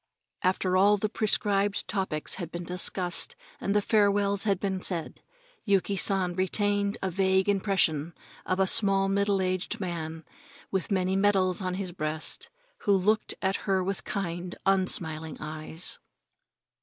After all the prescribed topics had been discussed and the farewells had been said, Yuki San retained a vague impression of a small, middle aged man, with many medals on his breast, who looked at her with kind, unsmiling eyes.